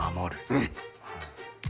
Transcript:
うん！